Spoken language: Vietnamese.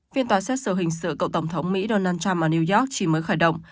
phiên tòa xét xử hình sự cựu tổng thống mỹ donald trump ở new york chỉ mới khởi động